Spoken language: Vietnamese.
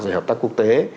rồi hợp tác quốc tế